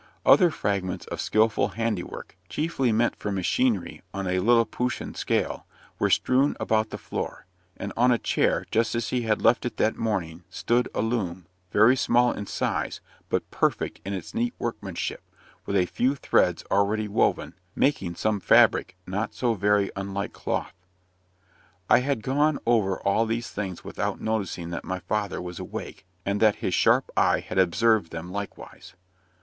Other fragments of skilful handiwork, chiefly meant for machinery on a Lilliputian scale, were strewn about the floor; and on a chair, just as he had left it that morning, stood a loom, very small in size, but perfect in its neat workmanship, with a few threads already woven, making some fabric not so very unlike cloth. I had gone over all these things without noticing that my father was awake, and that his sharp eye had observed them likewise.